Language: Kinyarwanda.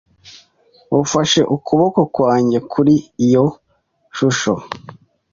Ufashe ukuboko kwanjye kuri iyo shusho.